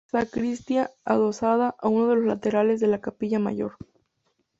Sacristía, adosada a uno de los laterales de la capilla mayor.